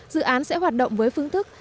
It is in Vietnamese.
dự án sẽ hoạt động với phương thức